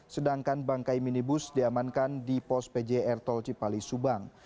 sedangkan bangkai minibus diamankan di pos pjr tol cipali subang